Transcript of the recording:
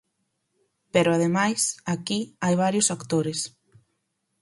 Pero, ademais, aquí hai varios actores.